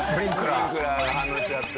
スプリンクラーが反応しちゃって。